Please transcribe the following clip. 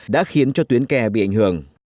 đã khiến cho tuyến kè bị ảnh hưởng